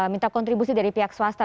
minta kontribusi dari pihak swasta